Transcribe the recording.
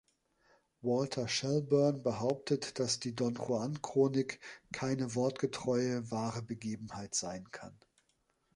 Walter Shelburne behauptet, dass die Don Juan Chronik keine wortgetreue, wahre Begebenheit sein kann.